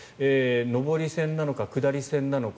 上り線なのか下り線なのか。